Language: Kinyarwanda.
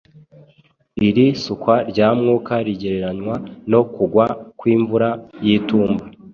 Iri sukwa rya Mwuka rigereranywa no kugwa kw’imvura y’itumba;